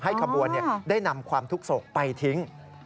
ขบวนได้นำความทุกข์โศกไปทิ้ง